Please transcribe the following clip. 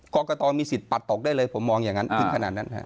กรกตมีสิทธิปัดตกได้เลยผมมองอย่างนั้นถึงขนาดนั้นฮะ